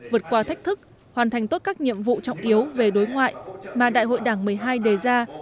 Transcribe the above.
vượt qua thách thức hoàn thành tốt các nhiệm vụ trọng yếu về đối ngoại mà đại hội đảng một mươi hai đề ra